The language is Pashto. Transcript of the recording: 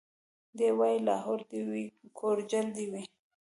دی وايي لاهور دي وي کورجل دي وي